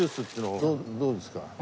どうですか？